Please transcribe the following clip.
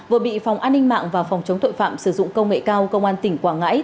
vừa bị phòng an ninh mạng và phòng chống tội phạm sử dụng công nghệ cao công an tỉnh quảng ngãi